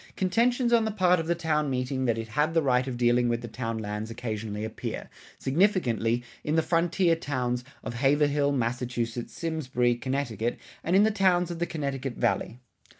Contentions on the part of the town meeting that it had the right of dealing with the town lands occasionally appear, significantly, in the frontier towns of Haverhill, Massachusetts, Simsbury, Connecticut, and in the towns of the Connecticut Valley.